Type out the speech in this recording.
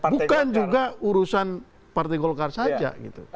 bukan juga urusan partai golkar saja